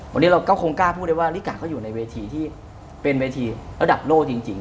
วันนี้เราก็คงกล้าพูดได้ว่าลิกะเขาอยู่ในเวทีที่เป็นเวทีระดับโลกจริง